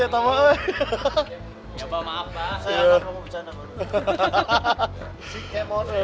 entah apa apa siapa yang nanya